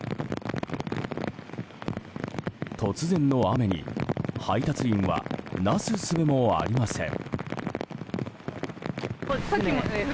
突然の雨に、配達員はなすすべもありません。